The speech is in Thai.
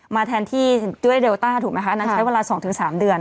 มาแทนที่ด้วยเดลต้าถูกไหมคะอันนั้นใช้เวลาสองถึงสามเดือน